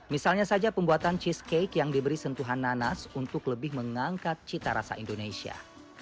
misalnya saja pembuatan cheesecake yang diberi sentuhan nanas untuk lebih mengangkat cita rasa indonesia